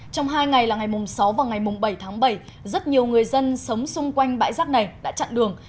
trong hai ngày là ngày sáu và ngày mùng bảy tháng bảy rất nhiều người dân sống xung quanh bãi rác này đã chặn đường